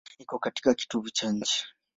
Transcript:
Iko katika kitovu cha nchi.